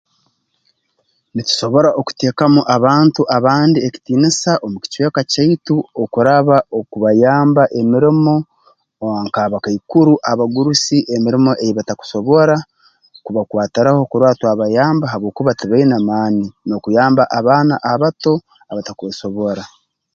Nitusobora okuteekamu abantu abandi ekitiinisa omu kicweka kyaitu okuraba okubayamba emirimo ah nk'abakaikuru abagurusi emirimo ei batakusobora kubakwatiraho kurora twabayamba habwokuba tibaine maani n'okuyamba abaana abato abatakwesobora